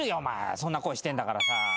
そんな声してんだからさ。